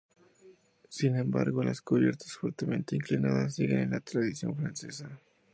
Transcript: Sin embargo, las cubiertas fuertemente inclinadas siguen la tradición francesa.